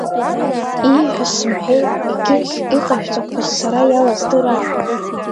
Ииҳәаз сымҳәеи, егьирхь иҟашәҵақәаз сара иалыздрааи.